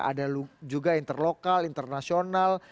ada juga interlokal internasional